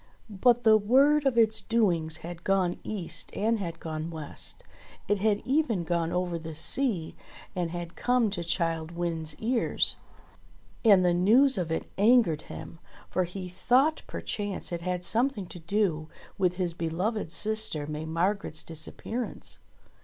But the word of its doings had gone east and had gone west ; it had even gone over the sea and had come to Childe Wynde's ears ; and the news of it angered him ; for he thought perchance it had something to do with his beloved THE LAIDLY WORM 129 sister May Margret's disappearance.